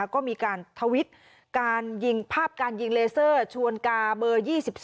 ก็มีการทวิตการยิงภาพการยิงเลเซอร์ชวนกาเบอร์๒๒